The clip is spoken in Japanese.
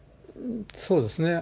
そうですね。